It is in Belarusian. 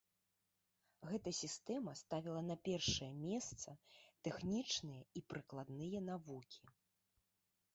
Гэта сістэма ставіла на першае месца тэхнічныя і прыкладныя навукі.